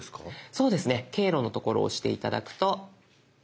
そうですね「経路」の所を押して頂くと。